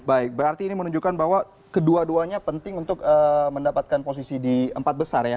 baik berarti ini menunjukkan bahwa kedua duanya penting untuk mendapatkan posisi di empat besar ya